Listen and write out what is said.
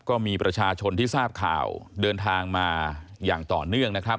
ก็มีประชาชนที่ทราบข่าวเดินทางมาอย่างต่อเนื่องนะครับ